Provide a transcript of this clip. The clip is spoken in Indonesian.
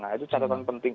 nah itu catatan penting